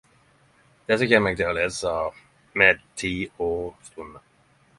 Desse kjem eg til å lese med tid og stunder...